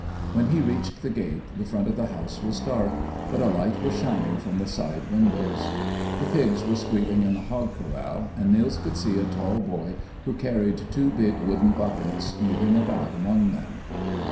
When he reached the gate the front of the house was dark, but a light was shining from the side windows. The pigs were squealing in the hog corral, and Nils could see a tall boy, who carried two big wooden buckets, moving about among them.